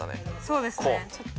そうですねちょっと。